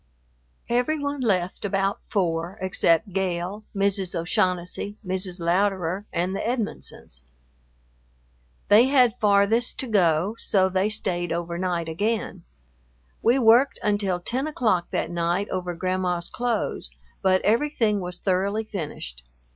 Every one left about four except Gale, Mrs. O'Shaughnessy, Mrs. Louderer, and the Edmonsons. They had farthest to go, so they stayed over night again. We worked until ten o'clock that night over Grandma's clothes, but everything was thoroughly finished.